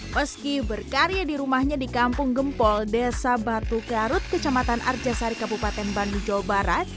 meski berkarya di rumahnya di kampung gempol desa batu garut kecamatan arjasari kabupaten bandung jawa barat